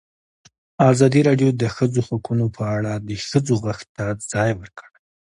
ازادي راډیو د د ښځو حقونه په اړه د ښځو غږ ته ځای ورکړی.